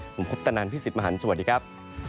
ผมคุปตนันพี่สิทธิ์มหันฯสวัสดีครับ